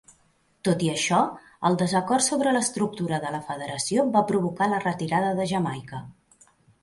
Tot i això, el desacord sobre l'estructura de la federació va provocar la retirada de Jamaica.